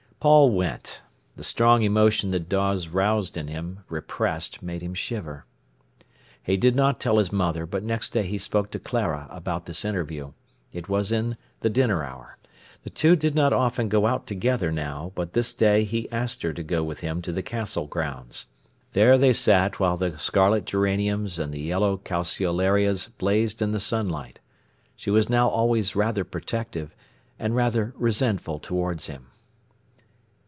Paul went. The strong emotion that Dawes aroused in him, repressed, made him shiver. He did not tell his mother, but next day he spoke to Clara about this interview. It was in the dinner hour. The two did not often go out together now, but this day he asked her to go with him to the Castle grounds. There they sat while the scarlet geraniums and the yellow calceolarias blazed in the sunlight. She was now always rather protective, and rather resentful towards him.